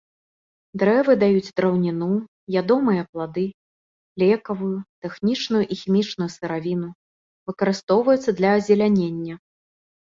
Дрэвы даюць драўніну, ядомыя плады, лекавую, тэхнічную і хімічную сыравіну, выкарыстоўваюцца для азелянення.